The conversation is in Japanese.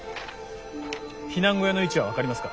避難小屋の位置は分かりますか？